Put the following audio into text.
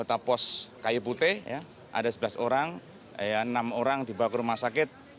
ada sebelas orang enam orang dibawa ke rumah sakit